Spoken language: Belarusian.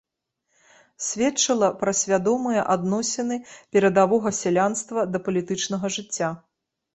Сведчыла пра свядомыя адносіны перадавога сялянства да палітычнага жыцця.